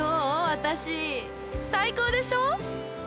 私最高でしょ？